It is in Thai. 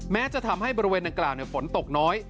จะทำให้บริเวณดังกล่าวฝนตกน้อย